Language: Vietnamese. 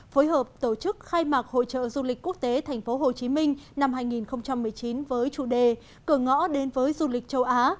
phối hợp tổ chức khai mạc hội trợ du lịch quốc tế tp hcm năm hai nghìn một mươi chín với chủ đề cửa ngõ đến với du lịch châu á